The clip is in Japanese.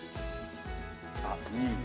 あっいいね。